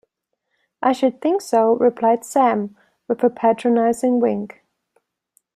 ‘I should think so,’ replied Sam, with a patronising wink.